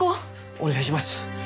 お願いします。